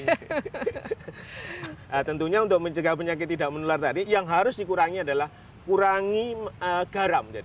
nah tentunya untuk mencegah penyakit tidak menular tadi yang harus dikurangi adalah kurangi garam